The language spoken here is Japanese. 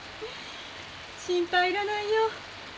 心配いらないよ。